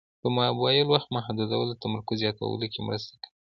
د موبایل وخت محدودول د تمرکز زیاتولو کې مرسته کوي.